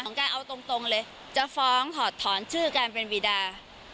การเอาตรงเลยจะฟ้องถอดถอนชื่อการเป็นวีดา